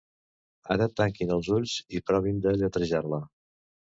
Ara tanquin els ulls i provin de lletrejar-la.